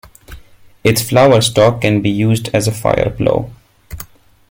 Its flower stalk can be used as a fire plow.